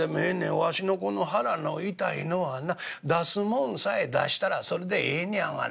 わしのこの腹の痛いのはな出すもんさえ出したらそれでええねやがな』。